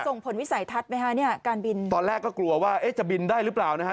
ส่งผลวิสัยทัศน์ไหมคะเนี่ยการบินตอนแรกก็กลัวว่าเอ๊ะจะบินได้หรือเปล่านะฮะ